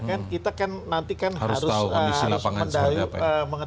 kan kita kan nanti kan harus mengetahui kondisi lapangannya seperti apa